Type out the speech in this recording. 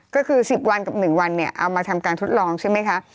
ก็คือ๑๐วันกับ๑วันเนี่ยเอามาทำการทดลองใช่ไหมคะ